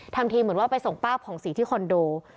ทำทีเหมือนว่าไปส่งป้าผ่องศรีที่คอนโด